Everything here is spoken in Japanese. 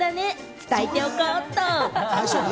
伝えておこうっと。